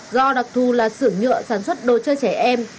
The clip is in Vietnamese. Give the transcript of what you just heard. do đặc thù là sửa nhựa sản xuất đồ chơi trẻ em